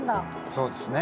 そうですね。